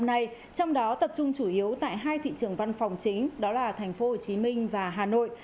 năm nay trong đó tập trung chủ yếu tại hai thị trường văn phòng chính đó là thành phố hồ chí minh và hà nội